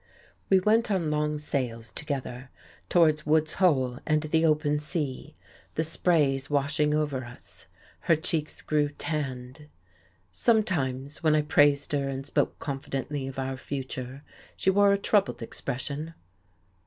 We went on long sails together, towards Wood's Hole and the open sea, the sprays washing over us. Her cheeks grew tanned.... Sometimes, when I praised her and spoke confidently of our future, she wore a troubled expression.